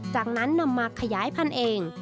จากนั้นนำมาขยายพันธุ์เอง